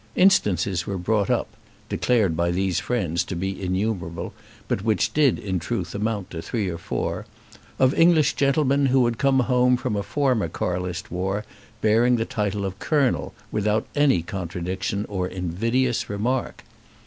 Instances were brought up, declared by these friends to be innumerable, but which did, in truth, amount to three or four, of English gentlemen who had come home from a former Carlist war, bearing the title of colonel, without any contradiction or invidious remark.